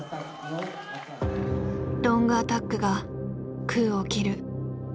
ロングアタックが空を切る。